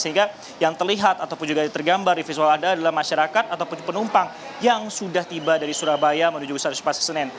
sehingga yang terlihat ataupun juga tergambar di visual anda adalah masyarakat ataupun penumpang yang sudah tiba dari surabaya menuju stasiun pasar senen